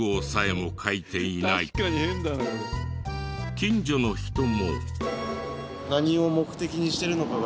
近所の人も。